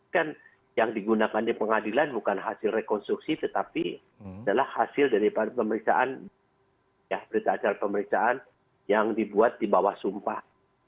kan yang digunakan di pengadilan bukan hasil rekonstruksi tetapi adalah hasil dari pemeriksaan berita acara pemeriksaan yang dibuat di bawah sumpah